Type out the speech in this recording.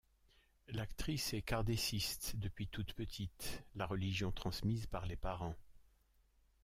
L'actrice est kardeciste depuis toute petite, la religion transmise par les parents.